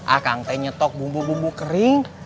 akang teh nyetok bumbu bumbu kering